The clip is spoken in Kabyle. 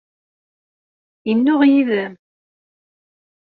Yennuɣ yid-m?